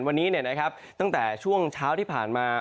วันนี้ตั้งแต่ช่วงเช้าที่ผ่านมา